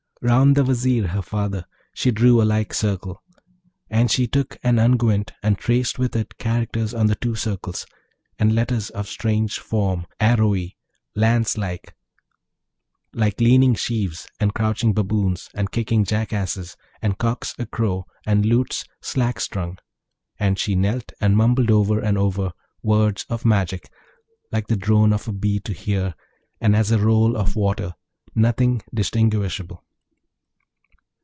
Round the Vizier, her father, she drew a like circle; and she took an unguent, and traced with it characters on the two circles, and letters of strange form, arrowy, lance like, like leaning sheaves, and crouching baboons, and kicking jackasses, and cocks a crow, and lutes slack strung; and she knelt and mumbled over and over words of magic, like the drone of a bee to hear, and as a roll of water, nothing distinguishable.